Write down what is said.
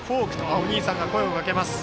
お兄さんが声をかけました。